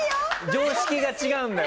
常識が違うんだよ